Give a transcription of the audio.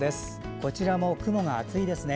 こちらも雲が厚いですね。